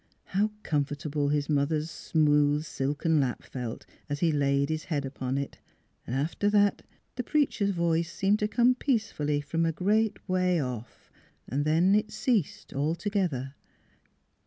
How comfortable his mother's smooth silken lap felt as he laid his head upon it! After that the preacher's voice seemed to come peacefully from a great way off: then it ceased altogether.